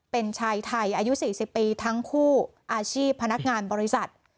เป็นชายไทยอายุ๔๐ปีทั้งคู่อาชีพพนักงานบริษัท